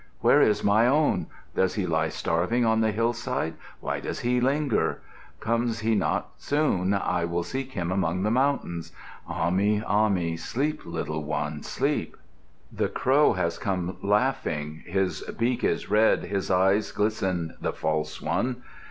"Where is my own? Does he lie starving on the hillside? Why does he linger? Comes he not soon I will seek him among the mountains. Ahmi, Ahmi, sleep, little one, sleep. "The crow has come, laughing, His beak is red, his eyes glisten, the false one.